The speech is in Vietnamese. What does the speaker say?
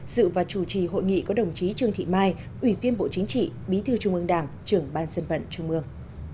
dự và chủ trì hội nghị có đồng chí trương thị mai ủy viên bộ chính trị bí thư trung ương đảng trưởng ban dân vận trung ương